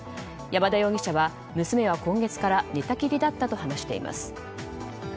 山田容疑者は娘は今月から寝たきりだったと話しています。